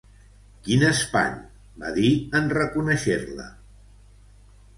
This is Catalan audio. Quin espant! —va dir, en reconèixer-la.